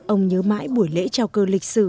ông nhớ mãi buổi lễ trao cơ lịch sử